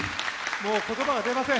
もう言葉が出ません。